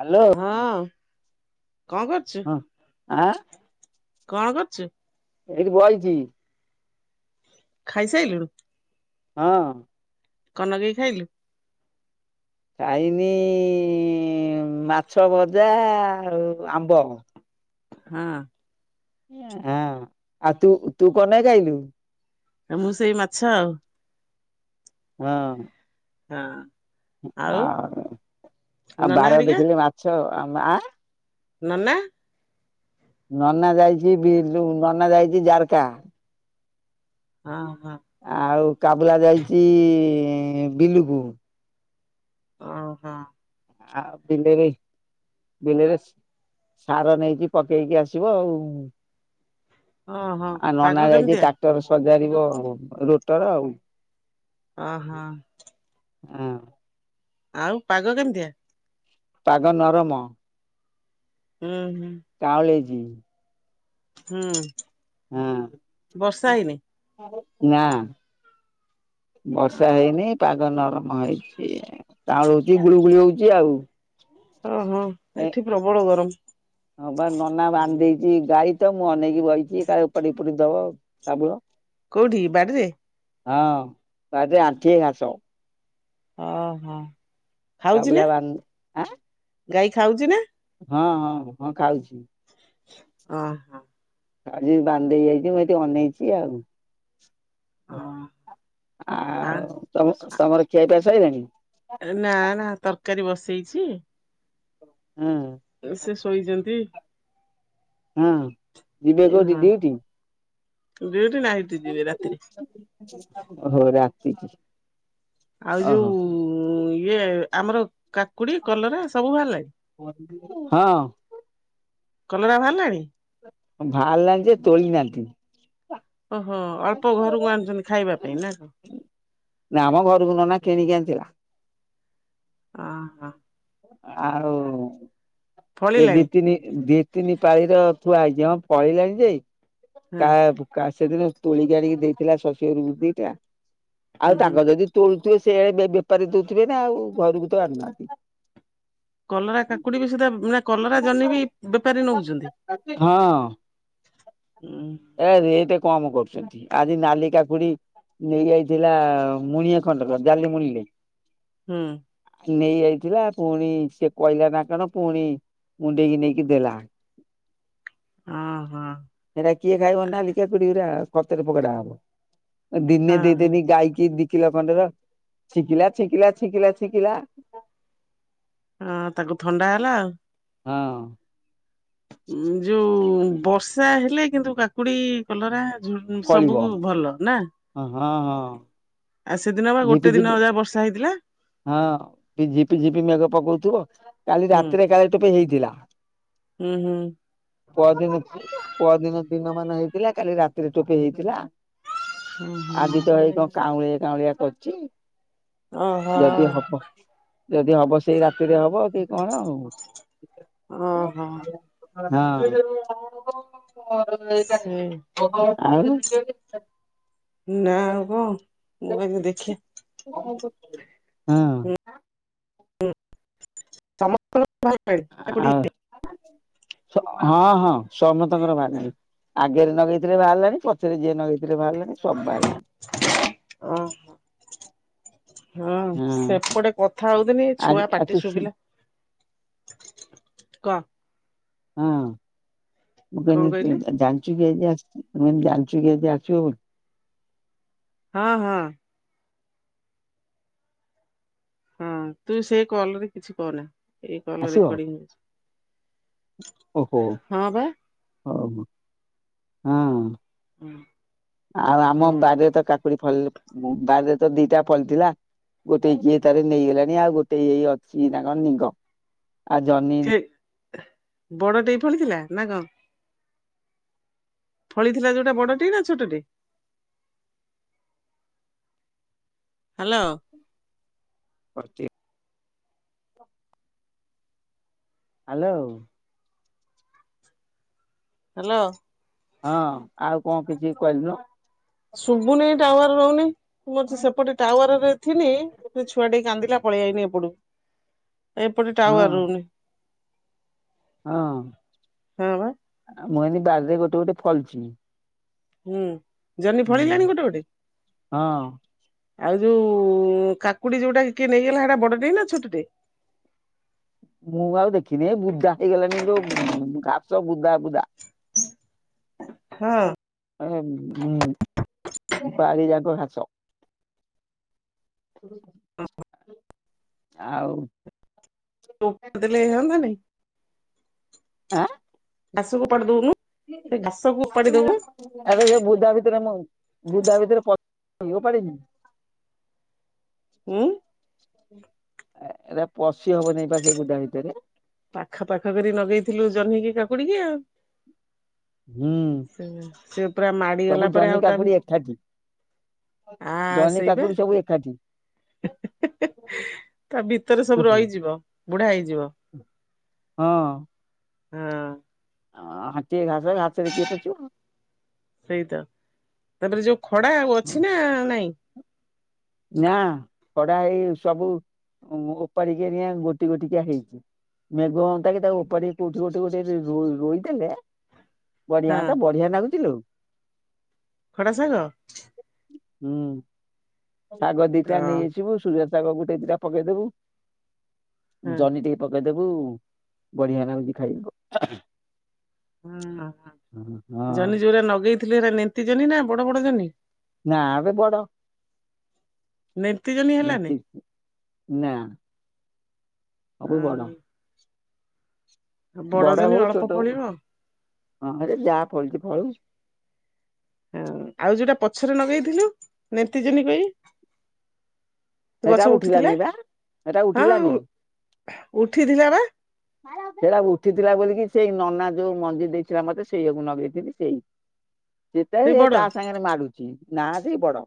Hello ହଁ କଣ କରୁଛୁ, ହଁ ଆଁ କଣ କରୁଛୁ? ଏଇଠି ବଇଛି। ଖାଇସାଇଲୁଣୁ? ହଁ। କଣ ନଗେଇ ଖାଇଲୁ? ଖାଇନି-ଇ-ଇ-ଇ-ଇ ମାଛ ଭଜା ଆଉ ଆମ୍ବ। ହଁ। ଆଁ, ଆ ତୁ ତୁ କନ କାଇଲୁ? ମୁଁ ସେଇ ମାଛ ଆଉ। ହଁ। ହଁ। ଆଉ ଆଉ ନନା ବାର ହରିକା ଦେଖିଲେ ମାଛ ଆମ ଆ ମାନେ? ନନା ଯାଇଛି ବିଲୁ ନନା ଯାଇଛି ଜାରକା। ଆଁ ହଁ। ଆଉ କାବୁଲା ଯାଇଛି ବିଲୁକୁ। ଓହୋ। ଆ ବିଲରେ ବିଲରେ ସାର ନେଇକି ପକେଇକି ଆସିବ ଆଉ। ଓହୋ ନନା ପାଗ ଯାଇଛି କେମିତିଆ? ଟ୍ରାକ୍ଟର ରଟର ସଜାରିବ ଆଉ ରୋଟର ଆଉ। ଓହୋ। ହଁ। ଆଉ ପାଗ କେମିତିଆ? ପାଗ ନରମ। ହୁଁ ହୁଁ। କାଅଁଳ ହେଇଚି। ହୁଁ। ହଁ ବର୍ଷା ହେଇନି ନାଁ। ହଁ। ବର୍ଷା ହେଇନି ପାଗ ନରମ ହେଇଛି। କାଅଁଳ ହଉଛି ଗୁଳୁଗୁଳି ହଉଛି ଆଉ। ଓହୋ ଏ ଏଠି ପ୍ରବଳ ଗରମ। ହଁ ବା ନନା ବାନ୍ଧି ଦେଇଛି ଗାଈ ତ ମୁଁ ଅନେଇକି ବଇଛି କାଳେ ଉପାଡି ଉପଡି ଦବ ସାବୁଳ। କୋଉଠିକି ବାଡିରେ? ହଁ ତା ଯୋଉ ଆଣ୍ଠିଏ ଘାସ। ଓହୋ ଖାଉଛି କାବୁଲା ନା ବାନ୍ଧ ଆଁ ଗାଈ ଖାଉଛି ନା? ହଁ, ହଁ, ହଁ ଖାଉଛି। ଅ। ଆଜି ବାନ୍ଧି ଦେଇକି ଆଇଛି ମୁଁ ଏଠି ଅନେଇଛି ଆଉ। ଓ ଆ ଆଉ ତମ ତମର ଖିଆ ପିଆ ସଇିଲାଣି? ନା ନା ତରକାରୀ ବସେଇଚି। ହୁଁ। ଏ ସେ ଶୋଇଛନ୍ତି। ହଁ ଯିବେ କୋଉଠି ଡିଉଟି? ଡ଼ିଉଟି ନା ହେଇଠି ଯିବେ ରାତିରେ। ଓହୋ ରାତିକି। ଆଉ ଓହୋ ଯୋଉ ଇଏ ଆମର କାକୁଡି କଲରା ସବୁ ବାହାରିଲା? ହଁ। କଲରା ବାହାରିଲାଣି? ବାହାରିଲାଣି ଯେ ତୋଳିନାହାନ୍ତି। ଓହୋ ଅଳ୍ପ ଘରକୁ ଆଣିଛନ୍ତି ଖାଇବା ପାଇଁ ନା? ନା ମ ଘରକୁ ନନା କିଣିକି ଆଣିଥିଲା। ଓହୋ। ଆଉ ଏ ଦି ଫଳିଲାଣି ତିନି ଦି ତିନିପାଳିର ଥୁଆ ହେଇଛି ହଁ ପଳେଇଲାଣି ଯେ ହଁ କା କା ସେଦିନ ତୋଳିିକି ଆଣିକି ଦେଇଥିଲା ଶଶୁହରକୁ ଦିଇଟା ହୁଁ ଆଉ ହୁଁ ତାଙ୍କ ଯଦି ତୋଳୁଥିବେ ସେଇଆଡେ ବେ ବେପାରୀ ଦଉଥିବେ ନା ଆଉ ଘରକୁ ତ ଆଣୁନାହାନ୍ତି। କଲରା କାକୁଡି ବି ସୁଧା ବୁଣା କଲରା ଜହ୍ନି ବି ବେପାରୀ ନଉଛନ୍ତି? ଉଁ ଏରା ରେଟ୍ କମ୍ କରୁଛନ୍ତି ଆଜି ନାଲି କାକୁଡି ନେଇଯାଇଥିଲା ମୁଣିଏ ଖଣ୍ଡକ ଜାଲି ମୁଣିିଲେ। ହୁଁ ନେଇଯାଇଥିଲା ପୁଣି ସିଏ କହିଲା ନା କଣ ପୁଣି ମୁୁଣ୍ଡେଇକି ନେଇକି ଦେଲା। ଓହୋ ହେରା କିଏ ଖାଇବ ନାଲି କାକୁଡିଉରା କତରେ ପକଡା ହବ। ଦିନେ ହଁ ଦିଇଦିନି ଗାଇକି ଦିକିଲ ଖଣ୍ଡେର ଛିଙ୍କିଲା ଛିଙ୍କିଲା ଛିଙ୍କିଲା ଛିିଙ୍କିଲା। ହଁ ତାକୁ ଥଣ୍ଡା ହେଲା ଆଉ। ହଁ ଉଁ ଯୋଉ ବର୍ଷା ହେଲା କିନ୍ତୁ କାକୁଡି କଲରା ଝୁ ଫଳିବ। ସବୁ ଭଲ ନା। ହଁ, ହଁ ହଁ। ଆ ସେଦିନ ବା ଗୋଟେ ଦିନ ଯା ବର୍ଷା ହେଇଥିଲା। ହଁ ପି ଝିପି ମେଗ ପକଉଥିବ କାଲି ହୁଁ ରାତିରେ କାଳେ ଟୋପେ ହେଇଥିଲା। ହୁଁ ହୁଁ ପହଦିନ ପହଦିନ ଦିନ ମାନ ହେଇଥିଲା କାଲି ରାତିରେ ଟୋପେ ହେଇଥିଲା। [inaudible] ଆଜି ତ ହେଇ କଣ କାଉଁଳିଆ କାଉଁଳିଆ କରୁଛି ଓହୋ ଯଦି ହବ। ଯଦି ହବ ସେଇ ରାତିରେ ହବ କି କଣ ଆଉ। ଓହୋ ହଁ ସେ [inaudible] ଆଉ। ନା ଆଉ କଣ ମୁଁ କହିଲି ଦେଖିଆ। କଣ କରୁଛୁ? ହଁ ସମସ୍ତଙ୍କ [inaudible] ଅ ହଁ ସମସ୍ତଙ୍କର ବାହାରିଲାନି। ଆଗରେ ନଗେଇଥିଲେ ବାହାରିଲାଣି ପଛରେ ଯିଏ ନଗେଇଥିଲେ ବାହାରିଲାଣି ସବୁ ବାହାରିଲାଣି। ଉଁ ହୁଁ। ହଁ ସେପଟେ କଥା ହଉଥିଲି ଆଜି ଛୁଆ ଆ ତୁ ପାଟି ଶୁ ଶୁଭିଲା କହ ହଁ ମୁଁ କଣ କ କହିଲୁ? ଯାଚୁ କିଛି ଆଛି ଯାନଚୁ କିଛି ଆସିବ ବୋଲି ହଁ ହଁ ହଁ ତୁ ସେ କଲରେ କିଛି କହନା ଏଇ କଲ ଆସିବ ରେକର୍ଡିଙ୍ଗ ଓହୋ ଓହୋ ହଁ ହୁଁ [inaudible] ଆଉ ଆମ ବାରରେ ତ କାକୁଡି ଫଳି ବାରିରେ ତ ଦିଟା ଫଳିଥିଲା। ଗୋଟେ କିଏ ତାର ନେଇଗଲାଣି ଆଉ ଗୋଟେ ଏଇ ଅଛି ନା କଣ ଆଉ ଜହ୍ନି। ବଡ ଟେଇ ଫଳି ଥିଲା ନା କଣ। ଫଳିଥିଲା ଯେଉଁଟା ବଡ଼ଟି ନା ଛୋଟଟି। ହ୍ୟାଲୋ କଟି ହ୍ୟାଲୋ ହାଲୋ। ହଁ ଆଉ କଁ କିଛି କହିଲନୁ? ଶୁବୁନେଇ ଟାୱାର ରହୁନେଇ ମୁଁ ଅଛି ସେପଟେ ଟାୱାରରେ ଥିନି ରେ ଛୁଆଟିଏ କାନ୍ଦିଲା। ପଳିଆଇନି ଏପଟୁ ଏପଟେ ହଁ ଟାୱାର ରହୁନି। ହଁ ମୁଁ ଅଇନି ବାରିରେ ଗୋଟେ ଗୋଟେ ଫଳିଚି। ହୁଁ ଜହ୍ନି ହୁଁ ଫଳିଲାଣି ଗୋଟେ ଗୋଟେ? ହଁ ଆଉ ଯୋଉ କାକୁଡ଼ି ଯୋଉଟା କିଏ ନେଇଗଲା ହେଟା ବଡ଼ଟେଇ ନା ଛୋଟଟେ? ମୁଁ ଆଉ ଦେଖିନେଇ ବୁଦା ହେଇଗଲାଣି ଯୋଉ ଘାସ ବୁଦା ବୁଦା। ହଁ। ଏ ହୁଁ ବାରି ଯାକ ଘାସ। ଆଉ ଦେଲେ ହନ୍ତାନେଇ? ଆଁ? ଘାସକୁ ଉପାଡ଼ି ଦଉନୁ ସେ ଘାସକୁୁ ଉପାଡ଼ି ଦଉନୁ। ଆରେ ସେ ବୁଦା ଭିତରେ ମୁ ବୁଦା ଭିତରେ ପ ଓପାଡ଼ିନି। ଉଁ? ଏ ଏରା ପଶି ହବନେଇ ପା ସେ ବୁଦା ଭିତରେ। ପାଖା ପାଖ କରି ନଗେଇଥିଲୁ ଜହ୍ନିକି କାକୁଡ଼ିକି ଆଉ। ହୁଁ ସେ ସେ ପୁରା ମାଡ଼ି ସବୁ ଗଲା ପରେ ଜହ୍ନି ଆଉ ତା କାକୁଡି ବି ଏକାଠି ଜହ୍ନି କାକୁଡ଼ି ସବୁ ଏଖାଟି। ତା ଭିତରେ ସବୁ ହଁ ରହିଯିବ ବୁଢ଼ା ହେଇଯିବ। ହଁ। ହଁ। ହଁ ଆଣ୍ଠିଏ ଘାସ ଘାସରେ କିଏ ପସିବ? ସେଇ ତ ତାଦରେ ଯୋଉ ଖଡ଼ା ଆଉ ଅଛି ନା ନାଇଁ? ନାଁ ଖଡ଼ା ଏଇ ସବୁ ଉଁ ଓପାଡି଼ କେରିଆଁ ଗୋଟି ଗୋଟିକିଆ ହେଇଚି। ମେଘ ହନ୍ତା କି ତାକୁ ଉପାଡ଼ି କୋଉଠି ଗୋଟେ ଗୋଟେ ବି ରୋ ରୋଇ ଦେଲେ ହଁ ବଢି଼ଆନ୍ତା ବଢ଼ିଆ ନାଗୁଚି ଲୋ। ଖଡ଼ା ଶାଗ? ହୁଁ। ଶାଗ ଦିଟା ଅ ନେଇ ଆସିବୁ ସୁଜୁନା ଶାଗ ଗୋଟେ ଦିଟା ପକେଇଦବୁ ହଁ। ଜହ୍ନି ଟିକେ ପକେଇଦବୁ ବଢ଼ିଆ ନାଗୁଚି ଖାଇବାକୁ। ଉଁ ଅଁ ହଁ ଜହ୍ନି ଯୋଉରା ନଗେଇଥିଲେ ହେରା ନେନ୍ତି ଜହ୍ନି ନାଁ ବଡ଼ ବଡ଼ ଜହ୍ନି? ନାଁ ବେ ବଡ଼ ନେନ୍ତି ଜହ୍ନି ହେଲାନି ନେନ୍ତି ନାଁ। ଅ ସବୁ ବଡ଼। ବଡ ବଡ଼ ଜହ୍ନି ହଉ ଅଳ୍ପ ଛୋଟ ଫଳିବ। ହଉ ଯାହା ଫଳୁଚି ଫଳୁ। ହଁ ଆଉ ଯୋଉଟା ପଛରେ ନଗେଇଥିଲୁ ନେନ୍ତି ଜହ୍ନି କଇ। ହେଟା ଗଛ ଉଠିଥିଲା ଉଠିଲାନି ବା ହେଟା ହଁ ଆଉ ଉଠିଲାନି। ଉଠିଥିଲା ବା। ସେରା ଉଠିଥିଲା ବୋଲିକି ସେଇ ନନା ଯୋଉ ମଞ୍ଜି ଦେଇଥିଲା ମତେ ସେଇଆକୁ ନଗେଇଥିନି ସେଇ। ସେତା ସେଇ ହେ ବଡ ତା ସାଙ୍ଗେରେ ମାଡୁଚି ନା ଯେଇ ବଡ଼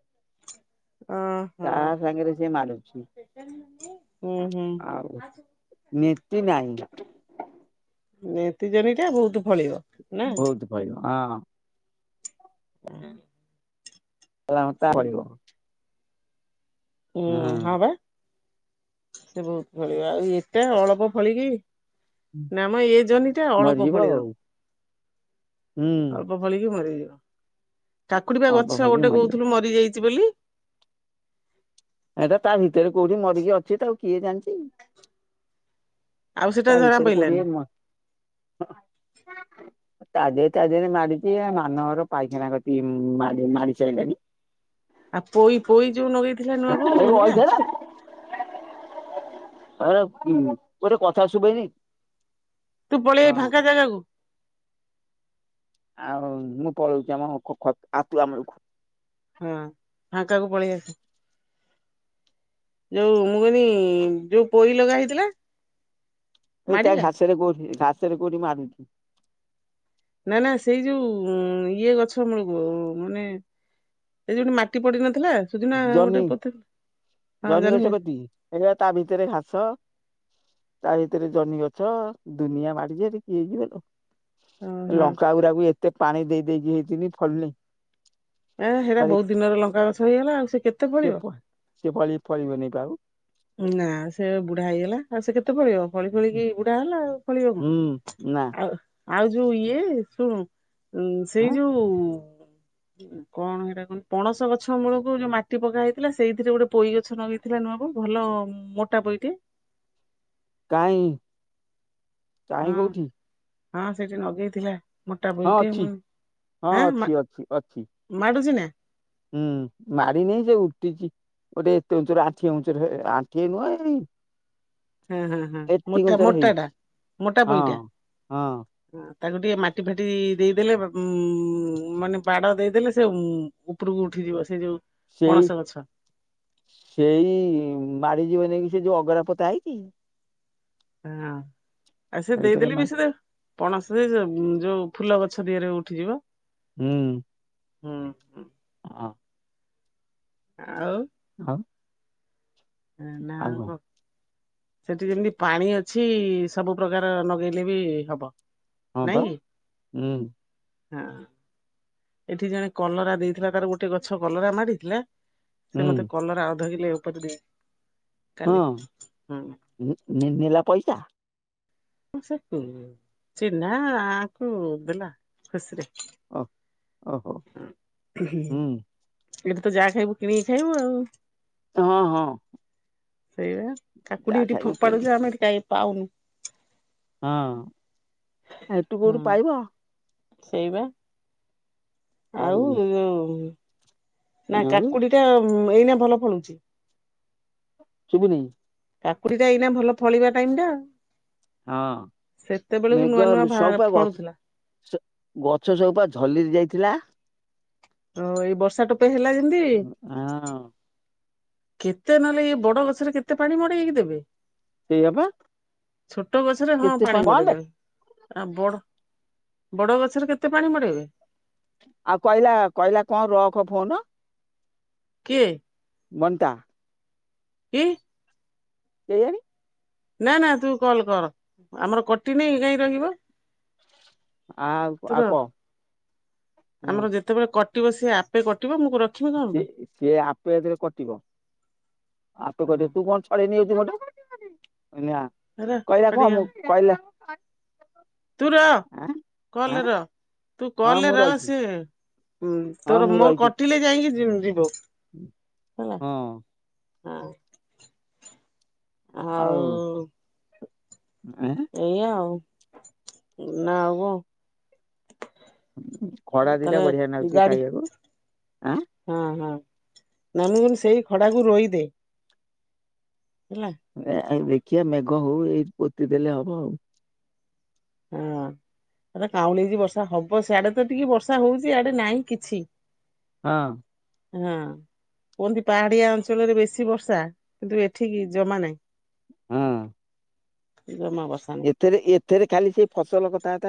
ଓହୋ ତା ସାଙ୍ଗେରେ ହୁଁ ହୁଁ ହୁଁ। ନେତି ନାହିଁ। ନେତି ଜହ୍ନିଟା ବହୁତୁ ଫଳିବ। ନା ବହୁତ ଫଳିବ ହଁ। ହଁ। କହିଲା ହଁ ତା ପଡିବ। ହୁଁ ହଁ ବା ସେ ବହୁତ ଫଳିବ ଆଉ ଏଟା ଅଳପ ଫଳିକି। ନାମ ଏ ଜହ୍ନୀଟା ଅଳପ ମରିଯିବ ଫଳିବ। ଆଉ ହୁଁ। ବ ଭଳିକି ମରିଯିବ ଠାକୁଡି ବା ଅଳ୍ପ ଗଛ କରି ଗୋଟେ ମରିବ କହୁଥିଲୁ ମରି ଯାଇଛି ବୋଲି। ଏଟା ତା ଭିତରେ କୋଉଠି ମରିକି ଅଛି ତାକୁ କିଏ ଜାଣିଛି। ଆଉ ସେଟା ତା ଜଣା ଭିତରେ କୋଉଠି ପଇଲାନି। ତା ଦେହ ତା ଦେହରେ ମାଡିଛି ଆ ମାନ ଘର ପାଇଖାନା କତିକି ଉଁ ମାଡି ମାଡି ସାରିଲାଣି। ଆଉ ପୋଇ ପୋଇ ଯୋଉ ନଗେଇଥିଲା ନୂଆବୋଉ ହେଲା। ଆ କୁଉଁ ଗୋଟେ କଥା ଶୁବେନି ତୁ ପଳେ ଆଇ ଫାଙ୍କା ଜାଗାକୁ। ଆଉ ମୁଁ ପଳଉଛି ଆମ ଖ ଖ ଆତିଆ ମୂଳକୁ। ହଁ ଫାଙ୍କା କୁ ପଳେଇ ଆସ। ଯୋଉ ମୁଁ କହନି ଯୋଉ ପୋଇ ଲଗା ହେଇଥିଲା। ଏଇ ତା ମାଡିଲା? ଘାସରେ କୋଉଠି ଘାସରେ କୋଉଠି ମାଡୂଛି। ନା ନା ସେଇ ଯୋଉ ଉଁ ଇଏ ଗଛ ମମୂଳ ମାନେ ଏଇ ଯୋଉଠି ମାଟି ପଡିନଥିଲା ଜହ୍ନି ଜହ୍ନି ଗଛ କତିକି ହେଗ ତା ଭିତରେ ଘାସ। ତା ଭିତରେ ଜହ୍ନୀ ଗଛ ଦୁନିଆ ମାଡିଚି ହେଟି କିଏ ଯିବ ଲୋ। ହଁ ହଁ। ଲଙ୍କାଗୁରାକୁ ଏତେ ପାଣି ଦେଇ ଦେଇକି ହେଇଥିନି ଫଳୁନେଇ। ଏ ହେରା ବହୁତ ଦିନରେ ଲଙ୍କା ଗଛ ହେଇଗଲା ଆଉ ସେ କେତେ ସିଏ ଫଳିବ? ଫ ସିଏ ପଳି ଫଳିବନି ପା ଆଉ। ନା ସେ ବା ବୁଢା ହେଇଗଲା। ଆଉ ସେ କେତେ ପଳିବ ଫଳି ଫଳିକି ବୁଢା ହେଲା ଆଉ ଫଳିବ କଣ ହୁଁ ନା ଆଉ ଆଉ ଯୋଉ ଇଏ ଶୁଣ ସେଇ ଆଁ ଯୋଉ। କଣ ହେଟା କହନି ପଣସ ଗଛ ମୂଳକୁ ଯୋଉ ମାଟି ପକା ହେଇଥିଲା ସେଇଥିରେ ଗୋଟେ ପୋଇ ଗଛ ନଗେଇଥିଲା ନୁଆ ବୋଉ ଭଲ ମୋଟା ପୋଇଟେ। କାଇଁ। ହଁ କାଇଁ କୋଉଠି ହଁ ସେଠି ନଗେଇଥିଲା। ମୋଟା ହଁ ପୋଇ ଟେ ଅଛି ମୁଁ ହଁ ନି ଆଁ ମା ଅଛି ଅଛି ଅଛି ମାଡୁଛି ନା। ହୁଁ ମାଡି ନେଇ ଯେ ଉଟିଛି। ଗୋଟେ ଏତେ ଉଁଚରୁ ଆଣ୍ଠିଏ ଉଁଚରୁ ଏ ଆଣ୍ଠିଏ ନୁହେଁ ଏଇ ହୁଁ ହୁଁ ହୁଁ ଏତିକି ମୋଟା ଉଞ୍ଚର ମୋଟା ଟା ହେଇଛି ମୋଟା ହଁ ପୋଇଟା। ହଁ ତାକୁ ଟିକେ ମାଟି ଫାଟି ଦେଇଦେଲେ ଉ ମାନେ ବାଡ ଦେଇଦେଲେ ସେ ଉଁ ଉପରକୁ ଉଠିଯିବ ସେ ଯୋଉ। ସେଇ ପଣସ ଗଛ ସେଇ ମାଡିଯିବ ନେଇକି ସେ ଯୋଉ ଅଗରା ପୋତା ହେଇଛି। ହଁ ଆ ସେ ତା ଭିତରେ ଦେଇଦେଲେ ମା ବି ସେଟା ପଣସ ଦେ ଜବୁ ଯୋଉ ଫୁଲ ଗଛ ଦିହରେ ଉଠିଯିବ। ହୁଁ। ହୁଁ। ହୁଁ ହଁ। ଆଉ ଖାଉ ନା ଆଉ ଙ୍କ ସେଠି ଯେମିତି ପାଣି ଅଛି ସବୁ ପ୍ରକାର ଲଗେଇଲେ ବି ହବ। ହଁ ବା ନାଇଁ କି? ହୁଁ। ହଁ। ଏଠି ଜଣେ କଲରା ଦେଇଥିଲା ତାର ଗୋଟେ ଗଛ କଲରା ମାରିଥିଲା। ସେ ମତେ ହୁଁ କଲରା ଅଧ କିଲେ ଉପରେ ଦେଇ କାଲି ହଁ ହୁଁ [unintelligible] ନେଲା ପଇସା? [unintelligible] ଚିହ୍ନା ଆକୁ ଦେଲା ଖୁସିରେ। ଓ ଓହୋ ହୁଁ ଏଠି ତ ଯାହା ଖାଇବୁ କିଣିକି ଖାଇବୁ ଆଉ। ହଁ ହଁ ସେଇଆ କାକୁଡ଼ି ଯାହା ଏଠି ଖାଇବୁ କିଣି ଫୋପାଡୁଚେ ଆମେ ଏଠି [unintelligible] [unintelligible] ହଁ ଏଠୁ କୋଉଠୁ ପାଇବ। ସେଇ ବା ଆଉ [unintelligible] ନା ଆଉ କାକୁଡ଼ି ଟା ଏଇନା ଭଲ ଫଳୁଛି। ଶୁଭୁନି। କାକୁଡ଼ି ଟା ଏଇନା ଭଲ ଫଳିବା ଟାଇମ୍ ଟା ଆଉ। ହଁ ନୂଆ ନୂଆ [unintelligible] ଭା ସବୁ ପା [unintelligible] ଫଳୁଥିଲା ଗଛ ସବୁ ପା ଝଲି ଯାଇଥିଲା। ଓ ଏଇ ବର୍ଷା ଟୋପେ ହେଲା ଯେମିତି ହଁ। କେତେ ନହେଲେ ଏଇ ବଡ଼ ଗଛରେ କେତେ ପାଣି ମଡ଼େଇକି ଦେବେ। ସେଇଆ ପା। ଛୋଟ ଗଛରେ ହଁ କେତେ ପା ପାଣି କଣ ବେ ମଡେଇଦେବେ। ଆ ବଡ଼ ବଡ଼ ଗଛରେ କେତେ ପାଣି ମଡ଼େଇବେ। ଆଉ କହିଲା କହିଲା କଣ ରଖ ଫୋନ। କିଏ ବନିତା କି? କେଇଆଣି। ନାଁ ନାଁ ତୁ କଲ୍ କର ଆମର କଟିନି କାହିଁ ରହିବ। ଆଉ ତୁ ଆଉ ର କହ ହଁ ଆମର ଯେତେବେଳେ କଟିବ ସିଏ ଆପେ କଟିବ ମୁଁ ରଖିବି କଣ ସେ ପାଇଁ। ସିଏ ଆପେ ଏଥିରେ କଟିବ ଆପେ କଟିବ ତୁ କଣ ହେରା ଟିକେ [unintelligible] ତୁ ରହ ଆଁ କଲ୍ ଆଁ ରେ ରହ ତୁ ହଁ କଲ୍ ରେ ମୁଁ ରହ ରହିଛି ସିଏ ହୁଁ ହଁ ତୋର ମୁଁ ମୋର ରହିଛି କଟିଲେ ଯାଇକି ଯିବ। ହଁ। ହୁଁ ଆଉ ଏଁ ଏଇଆ ଆଉ ନା ଆଉ କଣ? ଖଡା଼ ଦିଟା ତାହେଲେ ବଢ଼ିଆ ଲାଗୁଛି ଗାଡି ଖାଇବାକୁ ଆଁ ହଁ ହଁ [unintelligible] ସେଇ ଖଡା଼ କୁ ରୋଇ ଦେ। ହେଲା। ଦେଖିବା ମେଘ ହଉ ଏଇଠି ପୋତି ଦେଲେ ହବ ଆଉ। ହଁ। [unintelligible] କାଉଁଲେଇଚି ବର୍ଷା ହବ ସିଆଡେ଼ ତ ଟିକେ ବର୍ଷା ହଉଛି ଇଆଡ଼େ ନାହିଁ କିଛି। ହଁ। ହଁ। କୁହନ୍ତି ପାହାଡିଆ ଅଞ୍ଚଳରେ ବେଶୀ ବର୍ଷା କିନ୍ତୁ ଏଠିକି ଜମା ନାହିଁ। ହଁ। ଜମା ବର୍ଷା ନାହିଁ। ଏଥିରେ- ଏଥିରେ ଖାଲି ସେଇ ଫସଲ କଥା ବାର୍ତ୍ତା